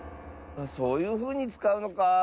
そういうふうにつかうのかあ。